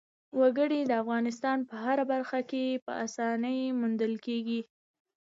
وګړي د افغانستان په هره برخه کې په اسانۍ موندل کېږي.